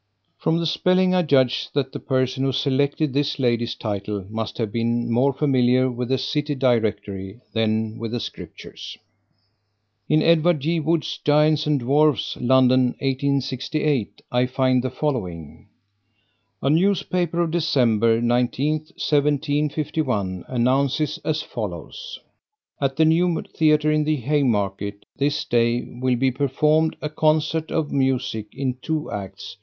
From the spelling, I judge that the person who selected this lady's title must have been more familiar with the City Directory than with the Scriptures. In Edward J. Wood's Giants and Dwarfs, London, 1868, I find the following: A newspaper of December 19th, 1751, announces as follows: At the new theatre in the Haymarket, this day, will be performed a concert of musick, in two acts.